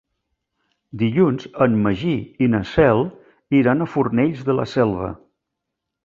Dilluns en Magí i na Cel iran a Fornells de la Selva.